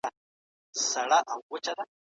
څېړنه د رنګ پېژندنې ناروغانو لپاره ارزښت لري.